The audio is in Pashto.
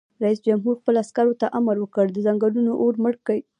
رئیس جمهور خپلو عسکرو ته امر وکړ؛ د ځنګلونو اور مړ کړئ!